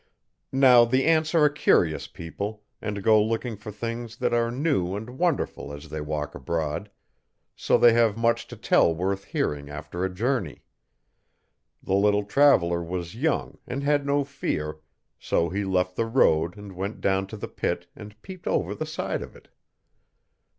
Now the ants are a curious people and go looking for things that are new and wonderful as they walk abroad, so they have much to tell worth hearing after a journey. The little traveller was young and had no fear, so he left the road and went down to the pit and peeped over the side of it.